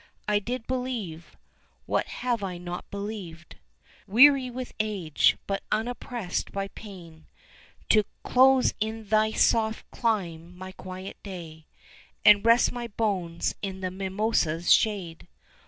I did believe (what have I not believed?), 10 Weary with age, but unopprest by pain, To close in thy soft clime my quiet day And rest my bones in the Mimosa's shade.